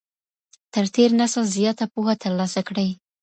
تر تېر نسل زياته پوهه ترلاسه کړئ.